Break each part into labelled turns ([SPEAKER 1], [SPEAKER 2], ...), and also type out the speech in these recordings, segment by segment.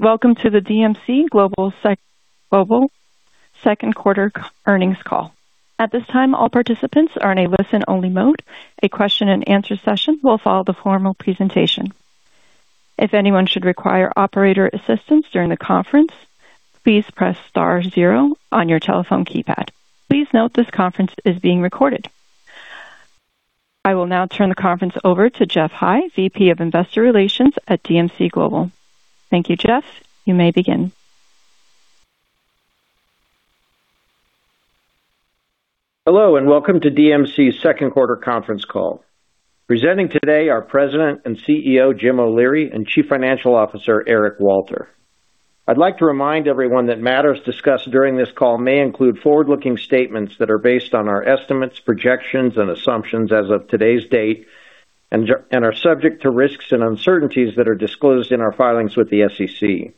[SPEAKER 1] Welcome to the DMC Global second quarter earnings call. At this time, all participants are in a listen-only mode. A question and answer session will follow the formal presentation. If anyone should require operator assistance during the conference, please press star zero on your telephone keypad. Please note this conference is being recorded. I will now turn the conference over to Geoff High, VP of Investor Relations at DMC Global. Thank you, Geoff. You may begin.
[SPEAKER 2] Hello, welcome to DMC's second quarter conference call. Presenting today are President and CEO Jim O'Leary and Chief Financial Officer Eric Walter. I'd like to remind everyone that matters discussed during this call may include forward-looking statements that are based on our estimates, projections, and assumptions as of today's date and are subject to risks and uncertainties that are disclosed in our filings with the SEC.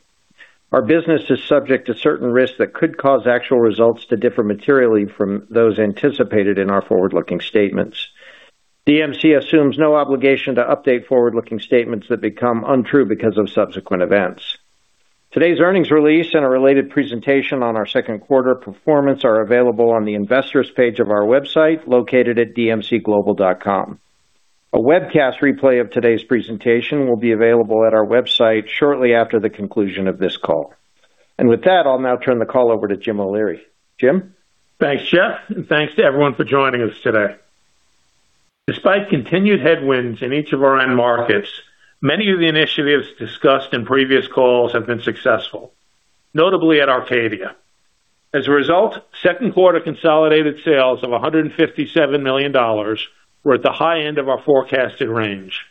[SPEAKER 2] Our business is subject to certain risks that could cause actual results to differ materially from those anticipated in our forward-looking statements. DMC assumes no obligation to update forward-looking statements that become untrue because of subsequent events. Today's earnings release and a related presentation on our second quarter performance are available on the investors page of our website, located at dmcglobal.com. A webcast replay of today's presentation will be available at our website shortly after the conclusion of this call. With that, I'll now turn the call over to Jim O'Leary. Jim?
[SPEAKER 3] Thanks, Geoff. thanks to everyone for joining us today. Despite continued headwinds in each of our end markets, many of the initiatives discussed in previous calls have been successful, notably at Arcadia. As a result, second quarter consolidated sales of $157 million were at the high end of our forecasted range,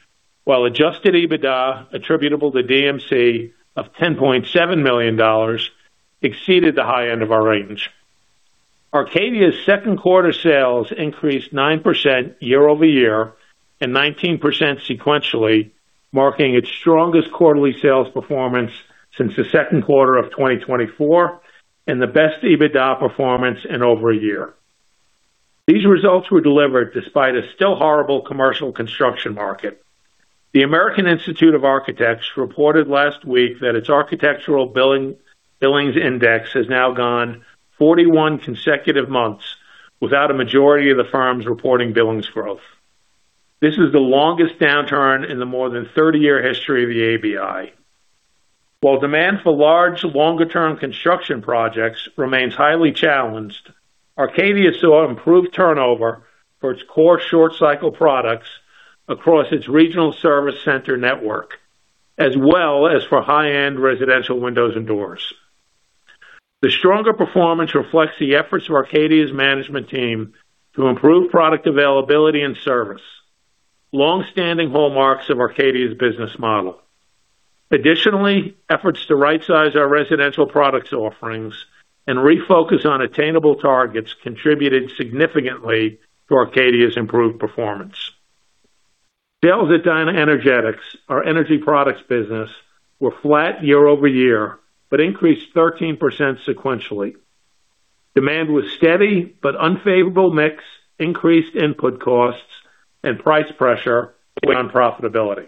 [SPEAKER 3] while adjusted EBITDA attributable to DMC of $10.7 million exceeded the high end of our range. Arcadia's second quarter sales increased 9% year-over-year and 19% sequentially, marking its strongest quarterly sales performance since the second quarter of 2024 and the best EBITDA performance in over a year. These results were delivered despite a still horrible commercial construction market. The American Institute of Architects reported last week that its Architecture Billings Index has now gone 41 consecutive months without a majority of the firms reporting billings growth. This is the longest downturn in the more than 30-year history of the ABI. While demand for large, longer-term construction projects remains highly challenged, Arcadia saw improved turnover for its core short-cycle products across its regional service center network, as well as for high-end residential windows and doors. The stronger performance reflects the efforts of Arcadia's management team to improve product availability and service, longstanding hallmarks of Arcadia's business model. Additionally, efforts to rightsize our residential product offerings and refocus on attainable targets contributed significantly to Arcadia's improved performance. Sales at DynaEnergetics, our energy products business, were flat year-over-year but increased 13% sequentially. Demand was steady, but unfavorable mix, increased input costs, and price pressure weighed on profitability.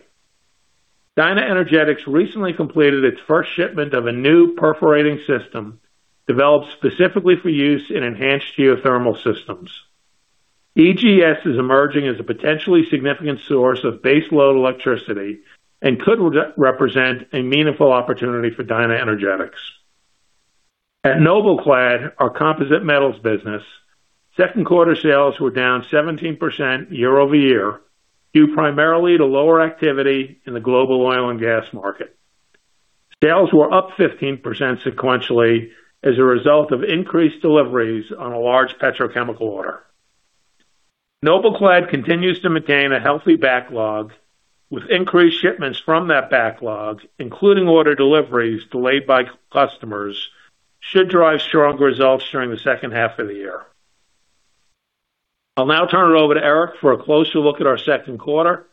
[SPEAKER 3] DynaEnergetics recently completed its first shipment of a new perforating system developed specifically for use in Enhanced Geothermal Systems. EGS is emerging as a potentially significant source of baseload electricity and could represent a meaningful opportunity for DynaEnergetics. At NobelClad, our composite metals business, second quarter sales were down 17% year-over-year, due primarily to lower activity in the global oil and gas market. Sales were up 15% sequentially as a result of increased deliveries on a large petrochemical order. NobelClad continues to maintain a healthy backlog, with increased shipments from that backlog, including order deliveries delayed by customers should drive stronger results during the second half of the year. I'll now turn it over to Eric for a closer look at our second quarter,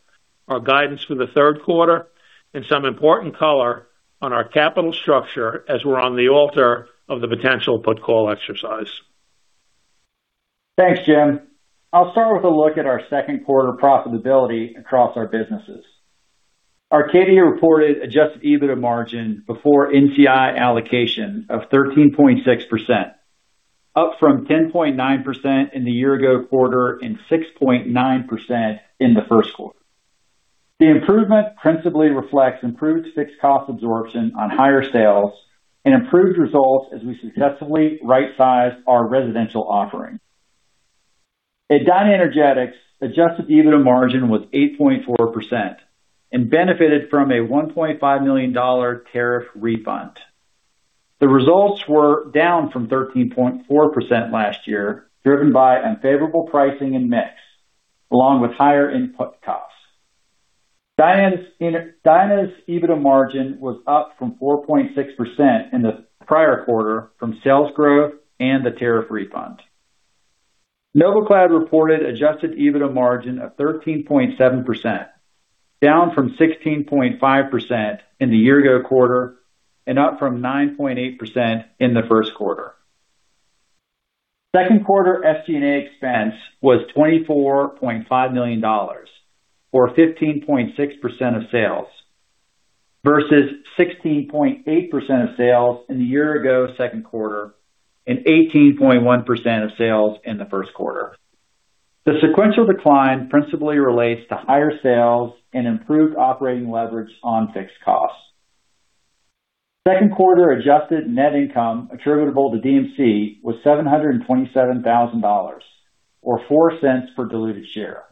[SPEAKER 3] our guidance for the third quarter, and some important color on our capital structure as we're on the altar of the potential put call exercise.
[SPEAKER 4] Thanks, Jim. I'll start with a look at our second-quarter profitability across our businesses. Arcadia reported adjusted EBITDA margin before NCI allocation of 13.6%, up from 10.9% in the year-ago quarter and 6.9% in the first quarter. The improvement principally reflects improved fixed cost absorption on higher sales and improved results as we successfully rightsize our residential offering. At DynaEnergetics, adjusted EBITDA margin was 8.4% and benefited from a $1.5 million tariff refund. The results were down from 13.4% last year, driven by unfavorable pricing and mix, along with higher input costs. Dyna's EBITDA margin was up from 4.6% in the prior quarter from sales growth and the tariff refund. NobelClad reported adjusted EBITDA margin of 13.7%, down from 16.5% in the year-ago quarter and up from 9.8% in the first quarter. Second quarter SG&A expense was $24.5 million, or 15.6% of sales, versus 16.8% of sales in the year-ago second quarter and 18.1% of sales in the first quarter. The sequential decline principally relates to higher sales and improved operating leverage on fixed costs. Second quarter adjusted net income attributable to DMC was $727,000, or $0.04 per diluted share.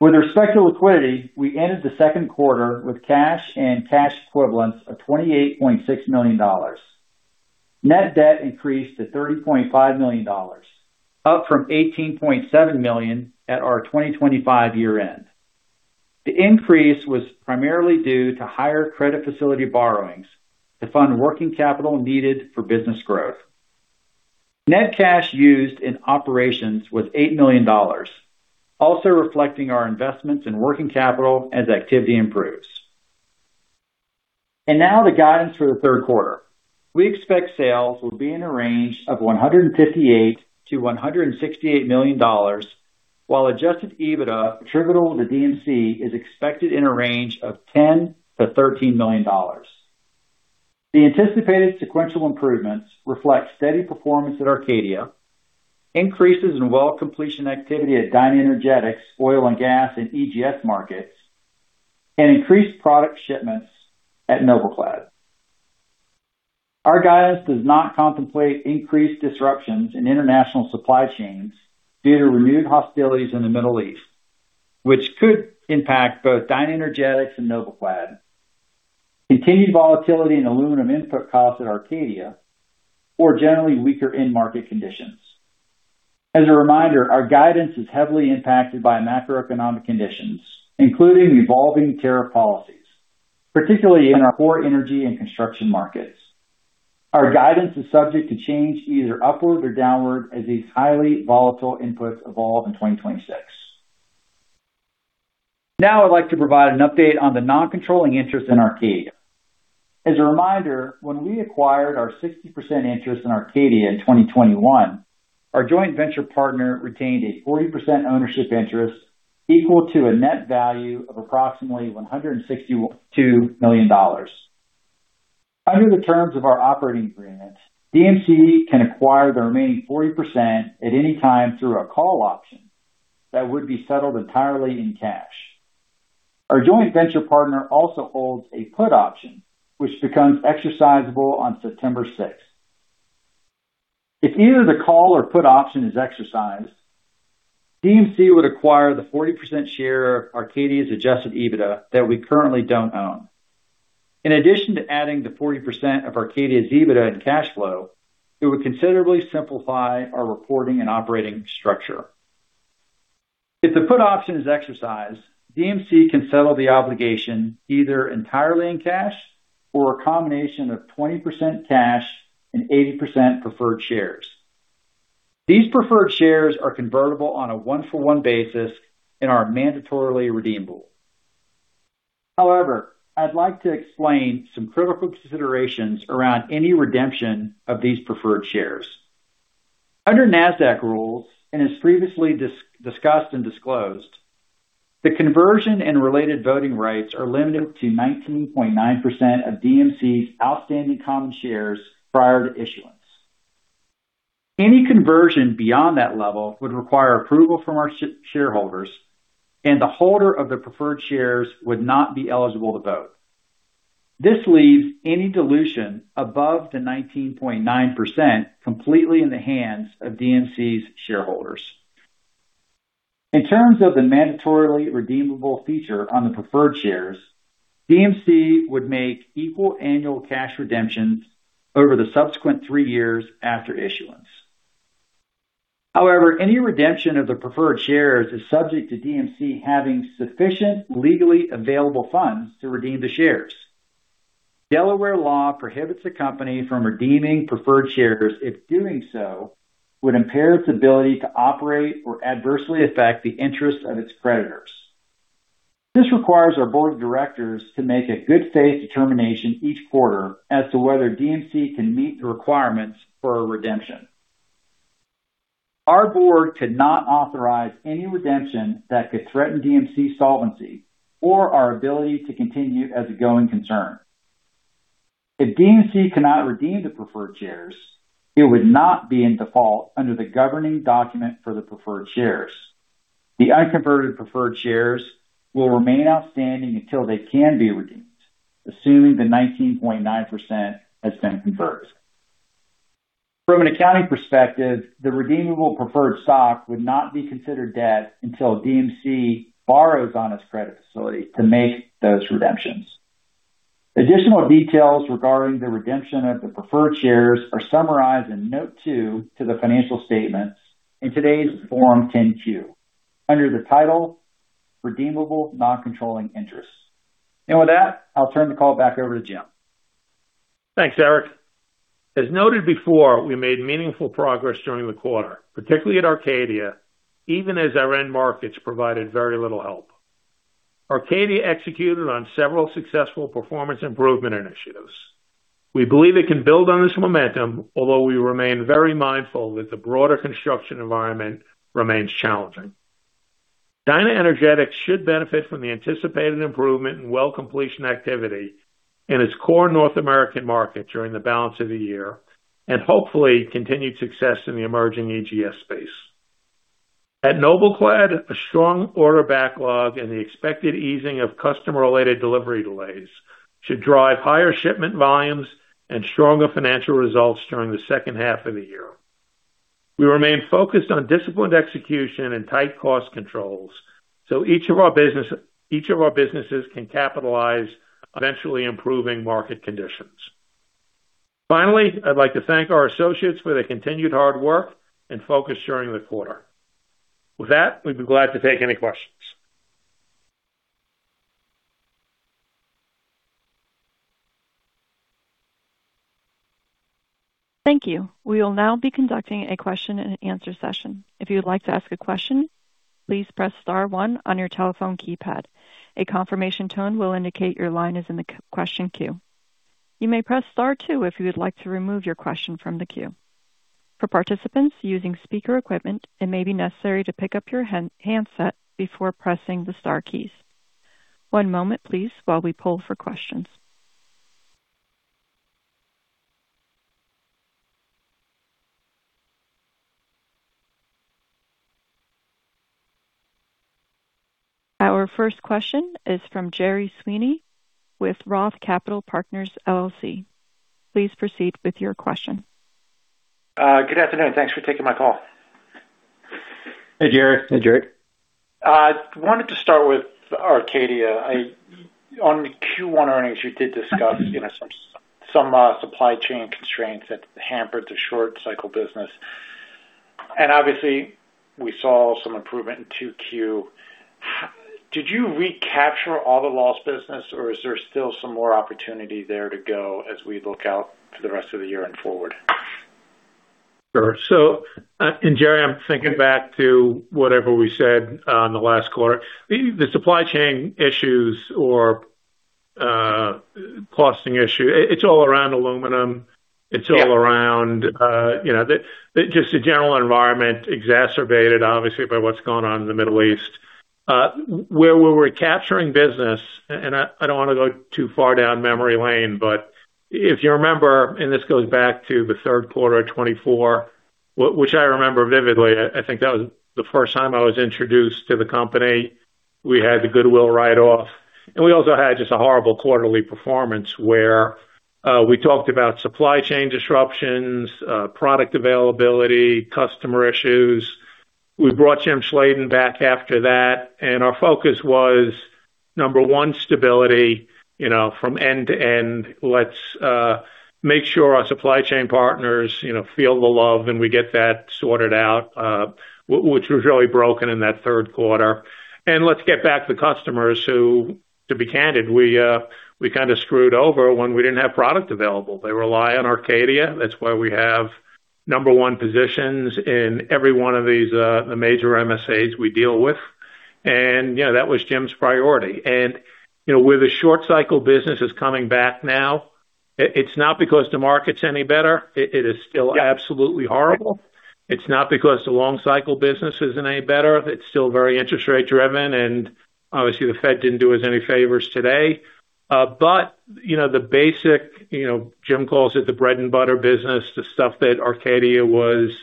[SPEAKER 4] With respect to liquidity, we ended the second quarter with cash and cash equivalents of $28.6 million. Net debt increased to $30.5 million, up from $18.7 million at our 2025 year-end. The increase was primarily due to higher credit facility borrowings to fund working capital needed for business growth. Net cash used in operations was $8 million, also reflecting our investments in working capital as activity improves. Now the guidance for the third quarter. We expect sales will be in a range of $158 million-$168 million, while adjusted EBITDA attributable to DMC is expected in a range of $10 million-$13 million. The anticipated sequential improvements reflect steady performance at Arcadia, increases in well completion activity at DynaEnergetics' oil and gas and EGS markets, and increased product shipments at NobelClad. Our guidance does not contemplate increased disruptions in international supply chains due to renewed hostilities in the Middle East, which could impact both DynaEnergetics and NobelClad, continued volatility in aluminum input costs at Arcadia, or generally weaker end market conditions. As a reminder, our guidance is heavily impacted by macroeconomic conditions, including evolving tariff policies, particularly in our core energy and construction markets. Our guidance is subject to change either upward or downward as these highly volatile inputs evolve in 2026. I'd like to provide an update on the non-controlling interest in Arcadia. As a reminder, when we acquired our 60% interest in Arcadia in 2021, our joint venture partner retained a 40% ownership interest equal to a net value of approximately $162 million. Under the terms of our operating agreement, DMC can acquire the remaining 40% at any time through a call option that would be settled entirely in cash. Our joint venture partner also holds a put option, which becomes exercisable on September 6th. If either the call or put option is exercised, DMC would acquire the 40% share of Arcadia's adjusted EBITDA that we currently don't own. In addition to adding the 40% of Arcadia's EBITDA and cash flow, it would considerably simplify our reporting and operating structure. If the put option is exercised, DMC can settle the obligation either entirely in cash or a combination of 20% cash and 80% preferred shares. These preferred shares are convertible on a one-for-one basis and are mandatorily redeemable. I'd like to explain some critical considerations around any redemption of these preferred shares. Under Nasdaq rules, and as previously discussed and disclosed, the conversion and related voting rights are limited to 19.9% of DMC's outstanding common shares prior to issuance. Any conversion beyond that level would require approval from our shareholders, and the holder of the preferred shares would not be eligible to vote. This leaves any dilution above the 19.9% completely in the hands of DMC's shareholders. In terms of the mandatorily redeemable feature on the preferred shares, DMC would make equal annual cash redemptions over the subsequent three years after issuance. Any redemption of the preferred shares is subject to DMC having sufficient legally available funds to redeem the shares. Delaware law prohibits a company from redeeming preferred shares if doing so would impair its ability to operate or adversely affect the interest of its creditors. This requires our board of directors to make a good faith determination each quarter as to whether DMC can meet the requirements for a redemption. Our board could not authorize any redemption that could threaten DMC solvency or our ability to continue as a going concern. If DMC cannot redeem the preferred shares, it would not be in default under the governing document for the preferred shares. The unconverted preferred shares will remain outstanding until they can be redeemed, assuming the 19.9% has been converted. From an accounting perspective, the redeemable preferred stock would not be considered debt until DMC borrows on its credit facility to make those redemptions. Additional details regarding the redemption of the preferred shares are summarized in Note 2 to the financial statements in today's Form 10-Q under the title Redeemable Non-Controlling Interest. With that, I'll turn the call back over to Jim.
[SPEAKER 3] Thanks, Eric. As noted before, we made meaningful progress during the quarter, particularly at Arcadia, even as our end markets provided very little help. Arcadia executed on several successful performance improvement initiatives. We believe it can build on this momentum, although we remain very mindful that the broader construction environment remains challenging. DynaEnergetics should benefit from the anticipated improvement in well completion activity in its core North American market during the balance of the year and, hopefully, continued success in the emerging EGS space. At NobelClad, a strong order backlog and the expected easing of customer-related delivery delays should drive higher shipment volumes and stronger financial results during the second half of the year. We remain focused on disciplined execution and tight cost controls, each of our businesses can capitalize on eventually improving market conditions. Finally, I'd like to thank our associates for their continued hard work and focus during the quarter. With that, we'd be glad to take any questions.
[SPEAKER 1] Thank you. We will now be conducting a question and answer session. If you would like to ask a question, please press star one on your telephone keypad. A confirmation tone will indicate your line is in the question queue. You may press star two if you would like to remove your question from the queue. For participants using speaker equipment, it may be necessary to pick up your handset before pressing the star keys. One moment, please, while we poll for questions. Our first question is from Gerry Sweeney with Roth Capital Partners, LLC. Please proceed with your question.
[SPEAKER 5] Good afternoon. Thanks for taking my call.
[SPEAKER 3] Hey, Gerry.
[SPEAKER 4] Hey, Gerry.
[SPEAKER 5] I wanted to start with Arcadia. On Q1 earnings, you did discuss some supply chain constraints that hampered the short cycle business. Obviously we saw some improvement in 2Q. Did you recapture all the lost business, or is there still some more opportunity there to go as we look out to the rest of the year and forward?
[SPEAKER 3] Sure. And Gerry, I'm thinking back to whatever we said on the last quarter. The supply chain issues or costing issue, it's all around aluminum. It's all around just the general environment, exacerbated, obviously, by what's gone on in the Middle East. Where we're recapturing business, I don't want to go too far down memory lane, but if you remember, this goes back to the third quarter of 2024, which I remember vividly. I think that was the first time I was introduced to the company. We had the goodwill write-off; we also had just a horrible quarterly performance where we talked about supply chain disruptions, product availability, customer issues. We brought Jim Schladen back after that, and our focus was, number one, stability from end to end. Let's make sure our supply chain partners feel the love and we get that sorted out, which was really broken in that third quarter. Let's get back the customers who, to be candid, we kind of screwed over when we didn't have product available. They rely on Arcadia. That's why we have number one positions in every one of these, the major MSAs we deal with. That was Jim's priority. Where the short cycle business is coming back now, it's not because the market's any better. It is still absolutely horrible. It's not because the long-cycle business is any better. It's still very interest rate driven, and obviously the Fed didn't do us any favors today. The basic, Jim calls it the bread and butter business, the stuff that Arcadia was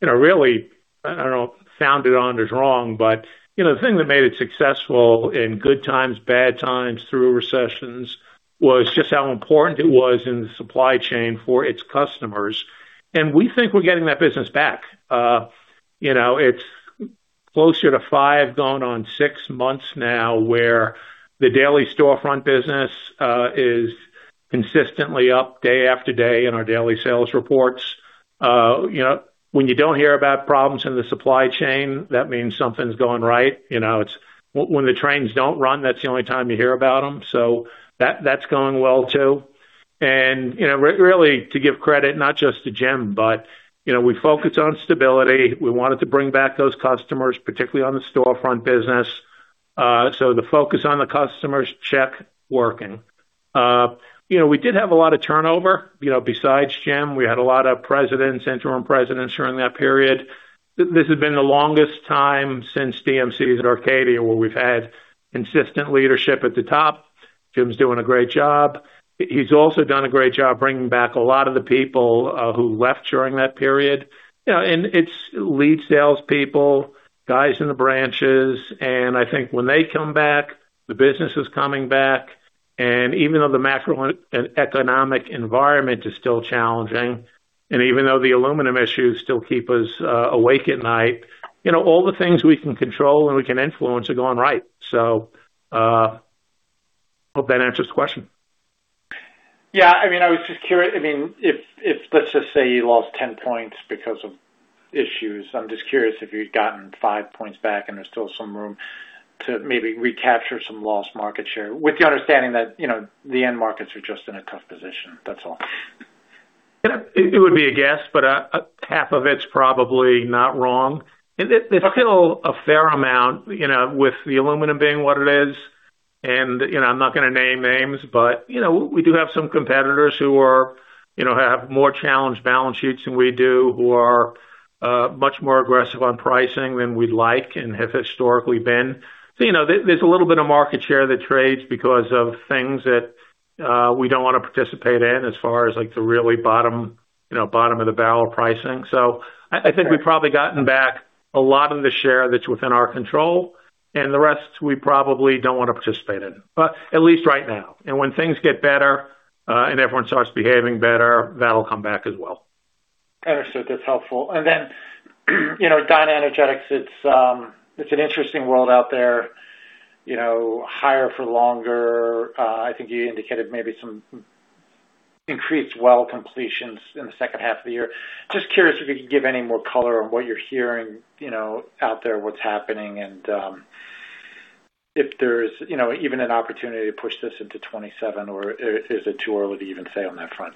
[SPEAKER 3] really, I don't know, founded on is wrong. The thing that made it successful in good times, bad times, through recessions was just how important it was in the supply chain for its customers. We think we're getting that business back. It's closer to five, going on six months now, where the daily storefront business is consistently up day after day in our daily sales reports. When you don't hear about problems in the supply chain, that means something's going right. When the trains don't run, that's the only time you hear about them. That's going well, too. Really, to give credit, not just to Jim, but we focus on stability. We wanted to bring back those customers, particularly on the storefront business. The focus on the customers, check, working. We did have a lot of turnover. Besides Jim, we had a lot of presidents, interim presidents, during that period. This has been the longest time since DMC's Arcadia, where we've had consistent leadership at the top. Jim's doing a great job. It's also done a great job bringing back a lot of the people who left during that period. It's lead salespeople, guys in the branches, and I think when they come back, the business is coming back. Even though the macroeconomic environment is still challenging, and even though the aluminum issues still keep us awake at night, all the things we can control and we can influence are going right. Hope that answers the question.
[SPEAKER 5] Yeah. I was just curious. Let's just say you lost 10 points because of issues. I'm just curious if you've gotten five points back and there's still some room to maybe recapture some lost market share, with the understanding that the end markets are just in a tough position. That's all.
[SPEAKER 3] It would be a guess, but half of it's probably not wrong. They've killed a fair amount, with the aluminum being what it is, and I'm not going to name names, but we do have some competitors who have more challenged balance sheets than we do, who are much more aggressive on pricing than we'd like and have historically been. There's a little bit of market share that trades because of things that we don't want to participate in as far as, like, the really bottom-of-the-barrel pricing. I think we've probably gotten back a lot of the share that's within our control, and the rest we probably don't want to participate in. At least right now. When things get better and everyone starts behaving better, that'll come back as well.
[SPEAKER 5] Understood. That's helpful. Then DynaEnergetics; it's an interesting world out there, higher for longer. I think you indicated maybe some increased well completions in the second half of the year. Just curious if you could give any more color on what you're hearing out there, what's happening, and if there's even an opportunity to push this into 2027, or is it too early to even say on that front?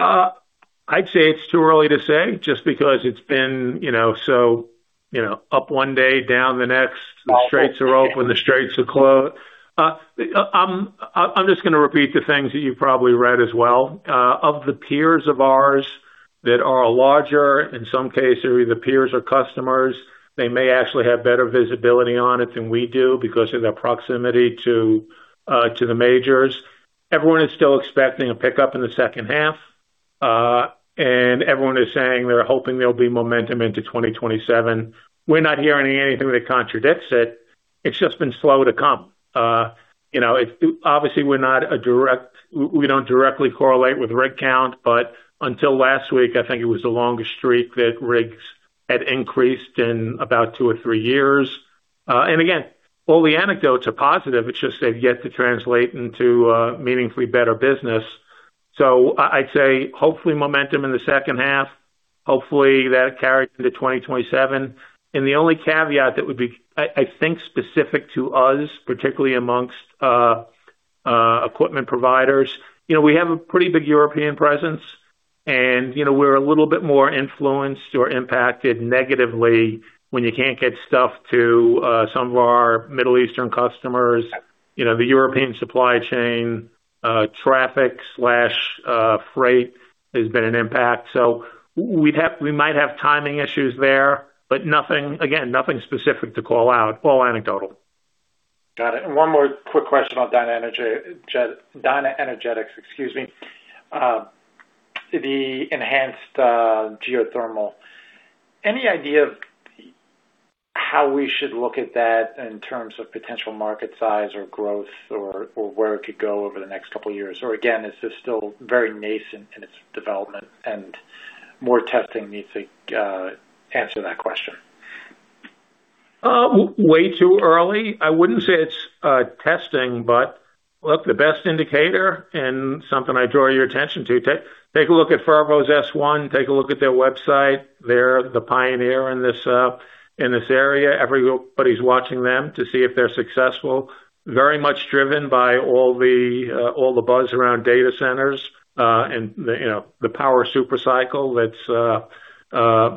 [SPEAKER 3] I'd say it's too early to say just because it's been so up one day, down the next; the straits are open, the straits are closed. I'm just going to repeat the things that you probably read as well. Of the peers of ours that are larger, in some cases either peers or customers, they may actually have better visibility on it than we do because of their proximity to the majors. Everyone is still expecting a pickup in the second half. Everyone is saying they're hoping there'll be momentum into 2027. We're not hearing anything that contradicts it. It's just been slow to come. Obviously, we don't directly correlate with rig count. Until last week, I think it was the longest streak that rigs had increased in about two or three years. Again, all the anecdotes are positive. It's just they've yet to translate into meaningfully better business. I'd say hopefully momentum in the second half. Hopefully, that carries into 2027. The only caveat that would be, I think, specific to us, particularly amongst equipment providers, we have a pretty big European presence, and we're a little bit more influenced or impacted negatively when you can't get stuff to some of our Middle Eastern customers. The European supply chain traffic/freight has been an impact. We might have timing issues there, but again, nothing specific to call out. All anecdotal.
[SPEAKER 5] Got it. One more quick question on DynaEnergetics. The enhanced geothermal. Any idea of how we should look at that in terms of potential market size or growth or where it could go over the next couple of years? Again, is this still very nascent in its development, and more testing needs to answer that question?
[SPEAKER 3] Way too early. I wouldn't say it's testing, but look, the best indicator, and something I draw your attention to, take a look at Fervo's S1. Take a look at their website. They're the pioneer in this area. Everybody's watching them to see if they're successful. Very much driven by all the buzz around data centers and the power supercycle that's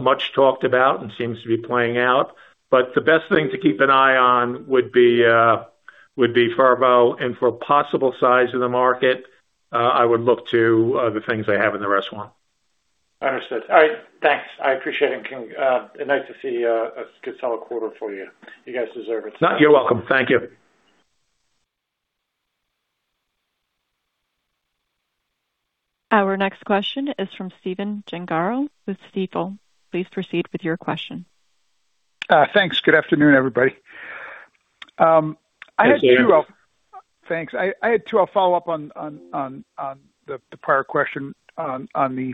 [SPEAKER 3] much talked about and seems to be playing out. The best thing to keep an eye on would be Fervo. For possible size of the market, I would look to the things they have in their S1.
[SPEAKER 5] Understood. All right, thanks. I appreciate it, Jim. Nice to see a good solid quarter for you. You guys deserve it.
[SPEAKER 3] You're welcome. Thank you.
[SPEAKER 1] Our next question is from Stephen Gengaro with Stifel. Please proceed with your question.
[SPEAKER 6] Thanks. Good afternoon, everybody.
[SPEAKER 3] Thanks, Stephen.
[SPEAKER 6] Thanks. I had two. I'll follow up on the prior question on the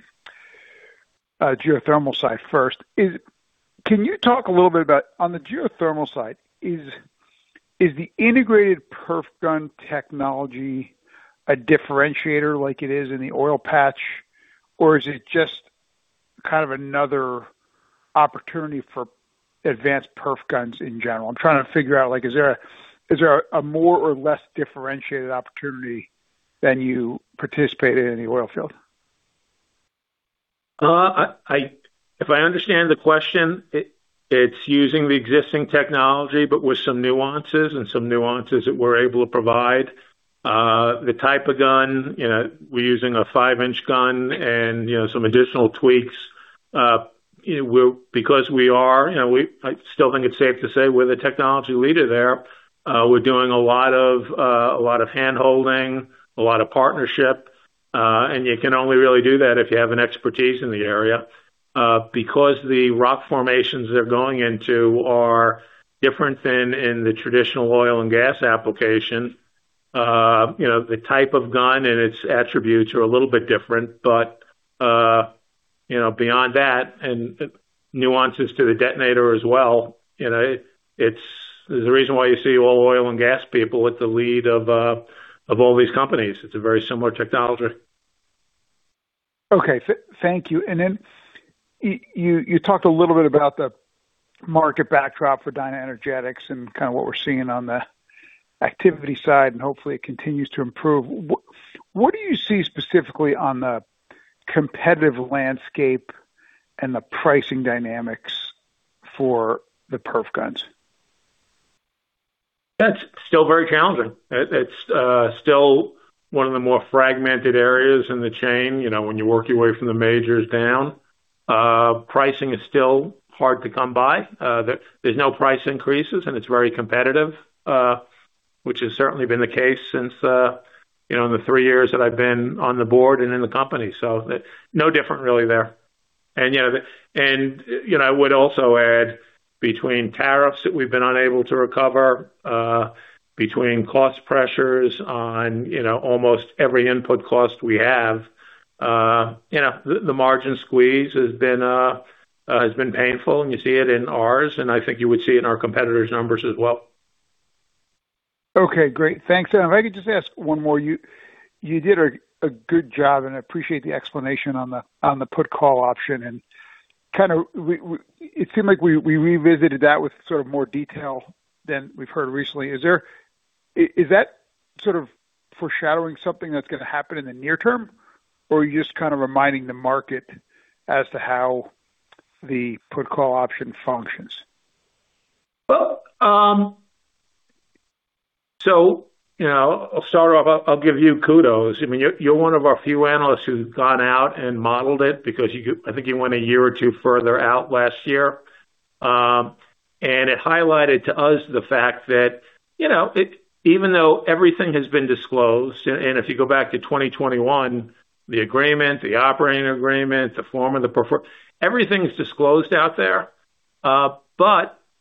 [SPEAKER 6] geothermal side first. Can you talk a little bit about on the geothermal side, is the integrated perforating gun technology a differentiator like it is in the oil patch, or is it just kind of another opportunity for advanced perf guns in general? I'm trying to figure out, is there a more or less differentiated opportunity than you participate in the oil field.
[SPEAKER 3] If I understand the question, it's using the existing technology, but with some nuances, and some nuances that we're able to provide. The type of gun: we're using a 5-inch gun and some additional tweaks. Because we are, I still think it's safe to say we're the technology leader there; we're doing a lot of hand-holding, a lot of partnership. You can only really do that if you have an expertise in the area. The rock formations they're going into are different than in the traditional oil and gas application; the type of gun and its attributes are a little bit different. Beyond that, and nuances to the detonator as well, there's a reason why you see all oil and gas people at the lead of all these companies. It's a very similar technology.
[SPEAKER 6] Okay, thank you. Then you talked a little bit about the market backdrop for DynaEnergetics and kind of what we're seeing on the activity side, and hopefully it continues to improve. What do you see specifically on the competitive landscape and the pricing dynamics for the perf guns?
[SPEAKER 3] That's still very challenging. It's still one of the more fragmented areas in the chain. When you work your way from the majors down, pricing is still hard to come by. There's no price increases, and it's very competitive, which has certainly been the case since in the three years that I've been on the board and in the company. No different really there. I would also add between tariffs that we've been unable to recover, between cost pressures on almost every input cost we have, the margin squeeze has been painful, and you see it in ours, and I think you would see it in our competitors' numbers as well.
[SPEAKER 6] Okay, great. Thanks. If I could just ask one more. You did a good job, and I appreciate the explanation on the put-call option. It seemed like we revisited that with sort of more detail than we've heard recently. Is that sort of foreshadowing something that's going to happen in the near term, or are you just kind of reminding the market as to how the put-call option functions?
[SPEAKER 3] To start off, I'll give you kudos. You're one of our few analysts who's gone out and modeled it because I think you went a year or two further out last year. It highlighted to us the fact that, even though everything has been disclosed, and if you go back to 2021, the agreement, the operating agreement, the form of the preferred, everything's disclosed out there.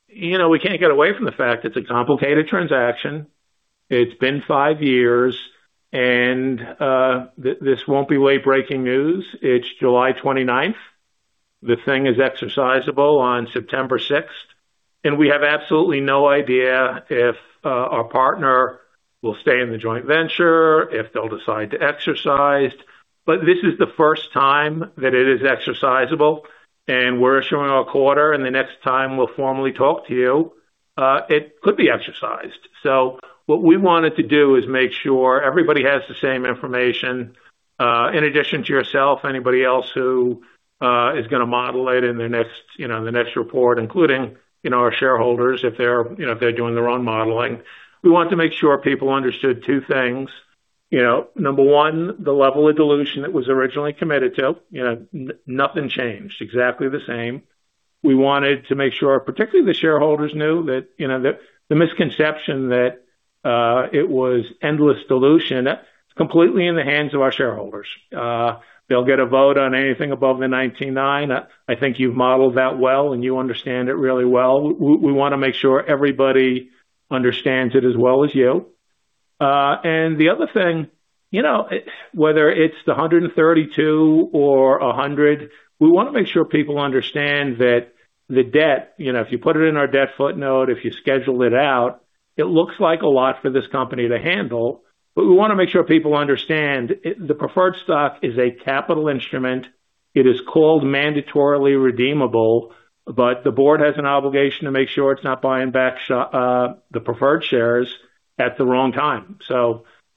[SPEAKER 3] We can't get away from the fact it's a complicated transaction. It's been five years, and this won't be way breaking news. It's July 29th. The thing is exercisable on September 6th, and we have absolutely no idea if our partner will stay in the joint venture, if they'll decide to exercise. This is the first time that it is exercisable, and we're issuing our quarter, and the next time we'll formally talk to you, it could be exercised. What we wanted to do is make sure everybody has the same information. In addition to yourself, anybody else who is going to model it in the next report, including our shareholders, if they're doing their own modeling. We want to make sure people understood two things. Number 1, the level of dilution it was originally committed to, nothing changed. Exactly the same. We wanted to make sure particularly the shareholders, knew that the misconception that it was endless dilution, it's completely in the hands of our shareholders. They'll get a vote on anything above the 19-9. I think you've modeled that well, and you understand it really well. We want to make sure everybody understands it as well as you. The other thing, whether it's the 132 or 100, we want to make sure people understand that the debt, if you put it in our debt footnote, if you schedule it out, it looks like a lot for this company to handle. We want to make sure people understand the preferred stock is a capital instrument. It is called mandatorily redeemable, but the board has an obligation to make sure it's not buying back the preferred shares at the wrong time.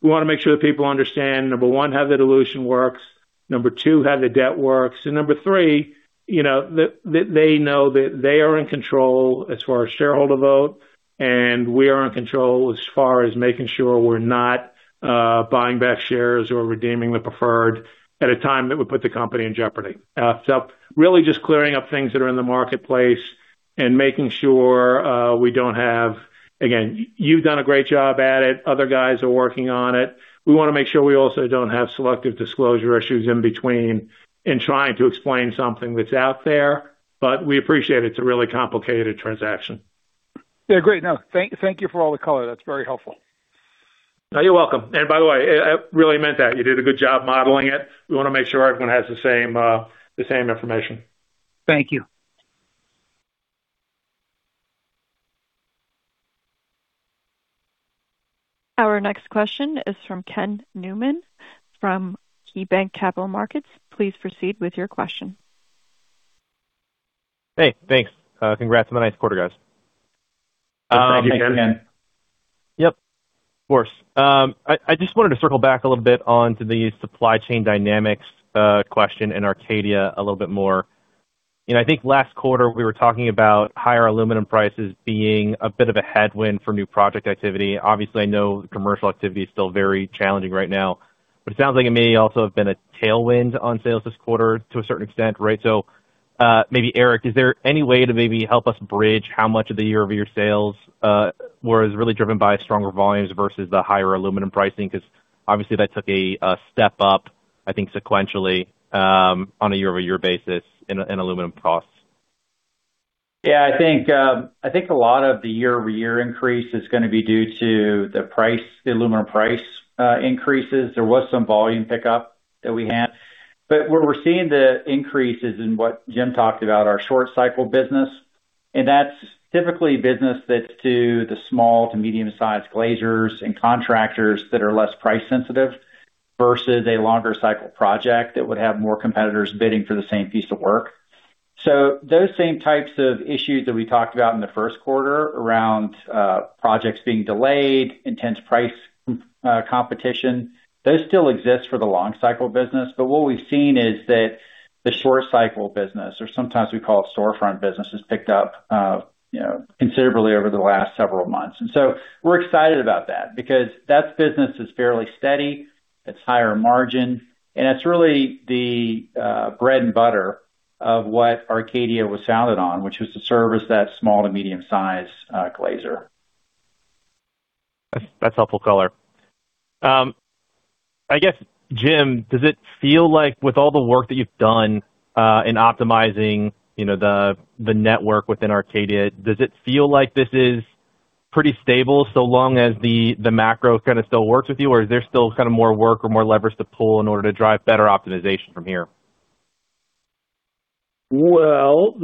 [SPEAKER 3] We want to make sure that people understand, number one, how the dilution works; number two, how the debt works; and number three, that they know that they are in control as far as shareholder votes, and we are in control as far as making sure we're not buying back shares or redeeming the preferred at a time that would put the company in jeopardy. Really just clearing up things that are in the marketplace and making sure. Again, you've done a great job at it. Other guys are working on it. We want to make sure we also don't have selective disclosure issues in between in trying to explain something that's out there, but we appreciate it's a really complicated transaction.
[SPEAKER 6] Yeah, great. No, thank you for all the color. That's very helpful.
[SPEAKER 3] You're welcome. By the way, I really meant that. You did a good job modeling it. We want to make sure everyone has the same information.
[SPEAKER 6] Thank you.
[SPEAKER 1] Our next question is from Ken Newman from KeyBanc Capital Markets. Please proceed with your question.
[SPEAKER 7] Hey, thanks. Congrats on the nice quarter, guys.
[SPEAKER 3] Thanks, Ken.
[SPEAKER 7] Yep. Of course. I just wanted to circle back a little bit on to the supply chain dynamics question in Arcadia a little bit more. I think last quarter we were talking about higher aluminum prices being a bit of a headwind for new project activity. Obviously, I know commercial activity is still very challenging right now, but it sounds like it may also have been a tailwind on sales this quarter to a certain extent, right? Maybe Eric, is there any way to maybe help us bridge how much of the year-over-year sales was really driven by stronger volumes versus the higher aluminum pricing? Obviously that took a step up, I think, sequentially on a year-over-year basis in aluminum costs.
[SPEAKER 4] Yeah, I think a lot of the year-over-year increase is going to be due to the aluminum price increases. There was some volume pickup that we had. Where we're seeing the increases in what Jim talked about, our short-cycle business. That's typically business that's to the small- to medium-sized glazers and contractors that are less price-sensitive versus a longer-cycle project that would have more competitors bidding for the same piece of work. Those same types of issues that we talked about in the first quarter around projects being delayed, intense price competition, those still exist for the long cycle business. What we've seen is that the short-cycle business, or sometimes we call it storefront business, has picked up considerably over the last several months. We're excited about that because that business is fairly steady, it's higher margin, and it's really the bread and butter of what Arcadia was founded on, which was to service that small to medium-size glazer.
[SPEAKER 7] That's helpful color. I guess, Jim, does it feel like with all the work that you've done in optimizing the network within Arcadia, does it feel like this is pretty stable so long as the macro kind of still works with you? Is there still kind of more work or more levers to pull in order to drive better optimization from here?
[SPEAKER 3] Well,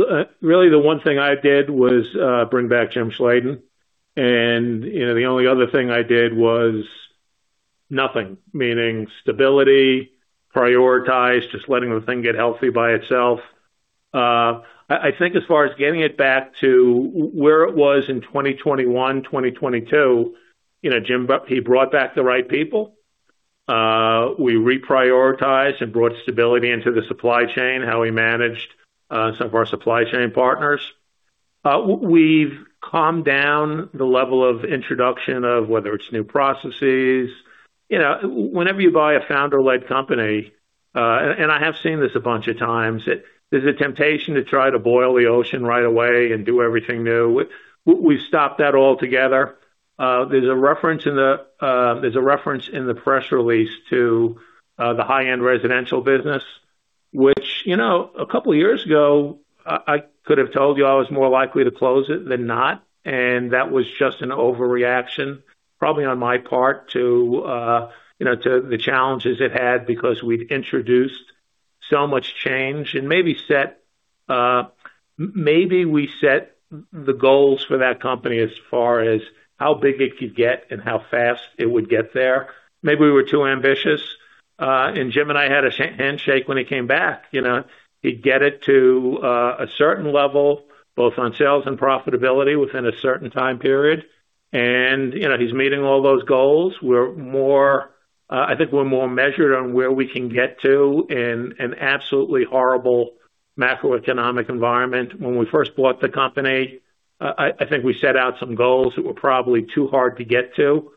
[SPEAKER 3] really the one thing I did was bring back Jim Schladen. The only other thing I did was nothing, meaning stability, prioritize, just letting the thing get healthy by itself. I think as far as getting it back to where it was in 2021, 2022, Jim, he brought back the right people. We reprioritized and brought stability into the supply chain, how we managed some of our supply chain partners. We've calmed down the level of introduction of whether it's new processes. Whenever you buy a founder-led company, I have seen this a bunch of times; there's a temptation to try to boil the ocean right away and do everything new. We've stopped that altogether. There's a reference in the press release to the high-end residential business, which, a couple of years ago, I could have told you I was more likely to close it than not, and that was just an overreaction, probably on my part, to the challenges it had because we'd introduced so much change, and maybe we set the goals for that company as far as how big it could get and how fast it would get there. Maybe we were too ambitious. Jim and I had a handshake when he came back. He'd get it to a certain level, both on sales and profitability, within a certain time period. He's meeting all those goals. I think we're more measured on where we can get to in an absolutely horrible macroeconomic environment. When we first bought the company, I think we set out some goals that were probably too hard to get to.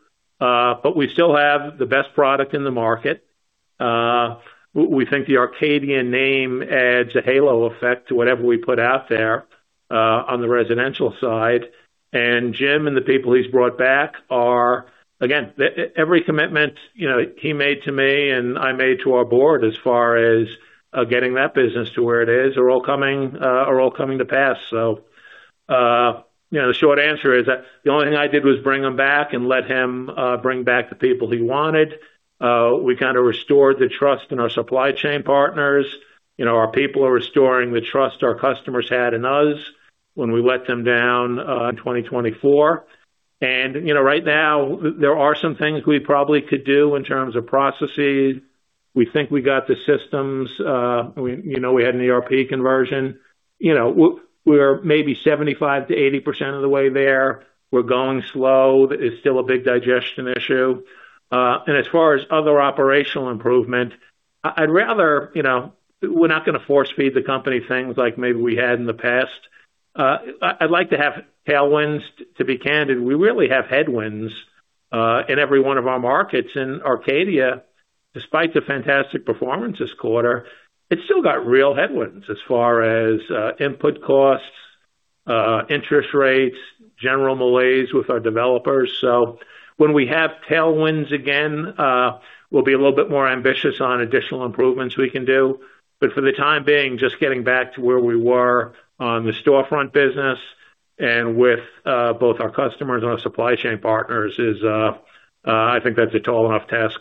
[SPEAKER 3] We still have the best product in the market. We think the Arcadia name adds a halo effect to whatever we put out there on the residential side. Jim and the people he's brought back are, again, every commitment he made to me and I made to our board as far as getting that business to where it is are all coming to pass. The short answer is that the only thing I did was bring him back and let him bring back the people he wanted. We kind of restored the trust in our supply chain partners. Our people are restoring the trust our customers had in us when we let them down in 2024. Right now, there are some things we probably could do in terms of processes. We think we got the systems. We had an ERP conversion. We're maybe 75%-80% of the way there. We're going slow. There's still a big digestion issue. As far as other operational improvements, we're not going to force-feed the company things like maybe we had in the past. I'd like to have tailwinds. To be candid, we really have headwinds in every one of our markets. Arcadia, despite the fantastic performance this quarter, it's still got real headwinds as far as input costs, interest rates, general malaise with our developers. When we have tailwinds again, we'll be a little bit more ambitious on additional improvements we can do. For the time being, just getting back to where we were on the storefront business and with both our customers and our supply chain partners is, I think that's a tall enough task.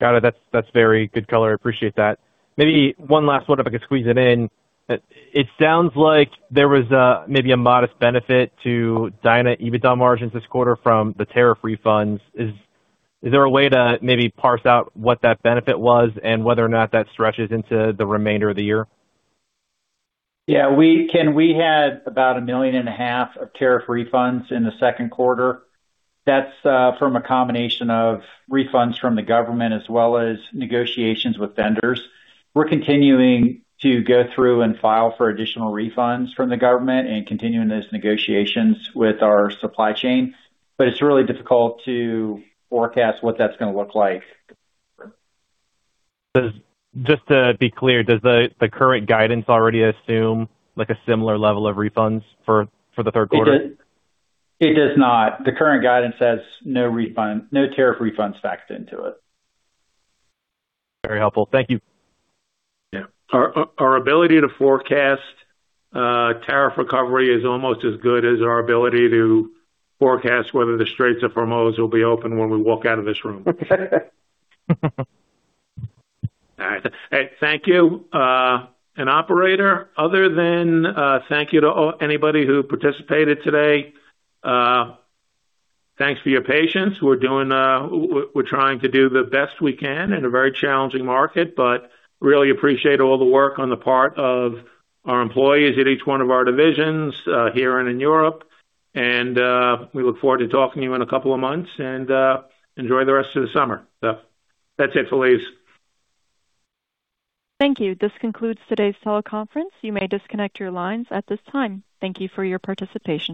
[SPEAKER 7] Got it. That's very good color. I appreciate that. Maybe one last one, if I could squeeze it in. It sounds like there was maybe a modest benefit to Dyna EBITDA margins this quarter from the tariff refunds. Is there a way to maybe parse out what that benefit was and whether or not that stretches into the remainder of the year?
[SPEAKER 4] Yeah. Ken, we had about $1.5 million of tariff refunds in the second quarter. That's from a combination of refunds from the government as well as negotiations with vendors. We're continuing to go through and file for additional refunds from the government and continuing those negotiations with our supply chain. It's really difficult to forecast what that's going to look like.
[SPEAKER 7] Just to be clear, does the current guidance already assume a similar level of refunds for the third quarter?
[SPEAKER 4] It does not. The current guidance has no tariff refunds factored into it.
[SPEAKER 7] Very helpful. Thank you.
[SPEAKER 3] Yeah. Our ability to forecast tariff recovery is almost as good as our ability to forecast whether the Straits of Hormuz will be open when we walk out of this room. All right. Thank you. Operator, other than thank you to anybody who participated today, thanks for your patience. We're trying to do the best we can in a very challenging market, but we really appreciate all the work on the part of our employees at each one of our divisions here and in Europe. We look forward to talking to you in a couple of months, and enjoy the rest of the summer. That's it, please.
[SPEAKER 1] Thank you. This concludes today's teleconference. You may disconnect your lines at this time. Thank you for your participation.